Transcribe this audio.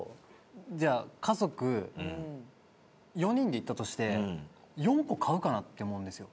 じゃあ家族４人で行ったとして４個買うかな？って思うんですよ。